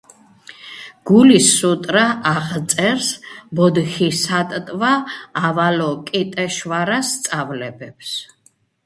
გულის სუტრა აღწერს ბოდჰისატტვა ავალოკიტეშვარას სწავლებებს.